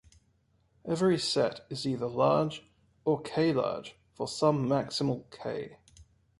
Every set is either large or "k"-large for some maximal "k".